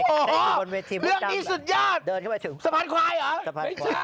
โอ้โฮเรื่องนี้สุดยอดเดินเข้ามาถึงสะพานควายเหรอไม่ใช่ลักษณะ